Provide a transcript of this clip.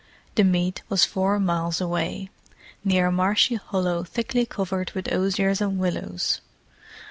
The meet was four miles away, near a marshy hollow thickly covered with osiers and willows.